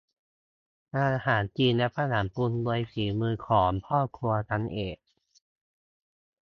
อาหารจีนและฝรั่ง ปรุงโดยฝีมือของพ่อครัวชั้นเอก